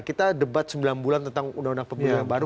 kita debat sembilan bulan tentang undang undang pemilu yang baru